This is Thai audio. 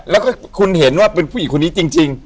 แล้วก็คุณเห็นว่าเป็นผู้หญิงคนนี้จริง